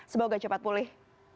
semoga cepat pulih